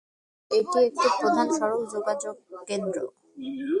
এটি একটি প্রধান সড়ক যোগাযোগ কেন্দ্র।